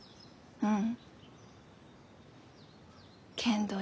うん。